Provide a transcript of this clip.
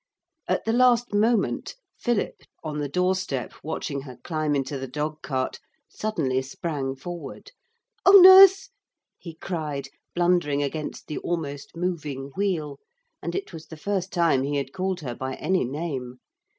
At the last moment Philip, on the doorstep watching her climb into the dog cart, suddenly sprang forward. 'Oh, Nurse!' he cried, blundering against the almost moving wheel, and it was the first time he had called her by any name.